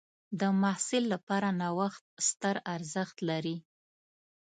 د محصل لپاره نوښت ستر ارزښت لري.